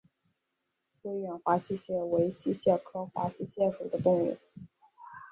威远华溪蟹为溪蟹科华溪蟹属的动物。